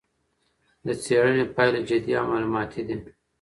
د څېړنې پایلې جدي او معلوماتي دي.